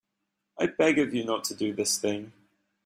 I beg of you not to do this thing.